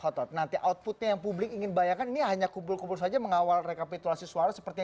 nah outputnya gimana pak hotot nanti outputnya yang publik ingin bayangkan ini hanya kumpul kumpul saja mengawal rekapitulasi suara seperti itu